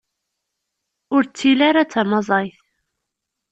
Ur ttili ara d tamaẓayt.